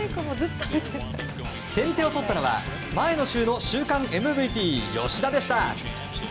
先手を取ったのは、前の週の週間ＭＶＰ、吉田でした。